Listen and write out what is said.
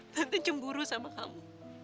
tante cemburu sama kamu